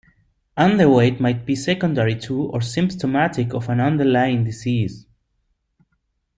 Underweight might be secondary to or symptomatic of an underlying disease.